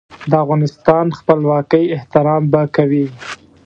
د افغانستان خپلواکۍ احترام به کوي.